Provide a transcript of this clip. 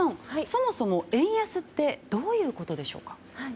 そもそも円安ってどういうことでしょうか。